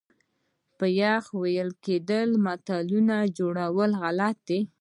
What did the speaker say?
پخوا ویل کېدل ملتونو جوړول غلط دي.